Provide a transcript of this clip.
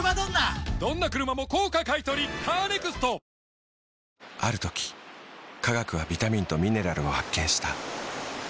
もうねある時科学はビタミンとミネラルを発見した。